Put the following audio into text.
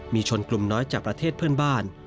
มีชนกลุ่มน้อยจากประเทศเพื่อนบ้าน